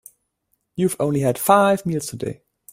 You've only had five meals today.